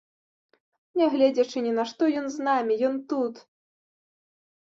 Нягледзячы ні на што ён з намі, ён тут.